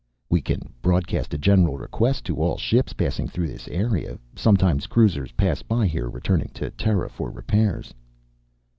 "We can broadcast a general request to all ships passing through this area. Sometimes cruisers pass by here returning to Terra for repairs."